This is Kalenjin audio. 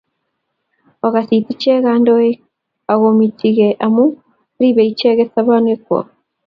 Okasit ichek kandoiik akominginityige amu ripei icheket sobonwekwok